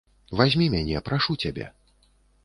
Вазьмі мяне, прашу цябе.